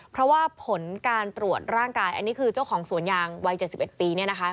เพราะว่าผลการตรวจร่างกายอันนี้คือเจ้าของสวนยางวัยเจ็ดสิบเอ็ดปีเนี่ยนะคะ